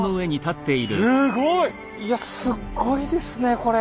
すごい！いやすっごいですねこれ。